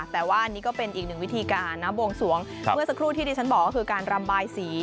แต่ว่านี่ก็เป็นอีกหนึ่งวิธีการนะบวงสวงเมื่อสักครู่ที่ดิฉันบอกก็คือการรำบายสี